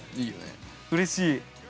うれしい。